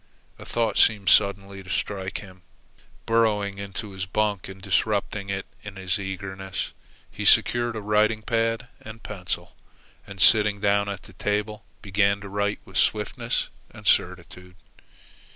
A thought seemed suddenly to strike him. Burrowing into his bunk and disrupting it in his eagerness, he secured a writing pad and pencil, and sitting down at the table, began to write with swiftness and certitude.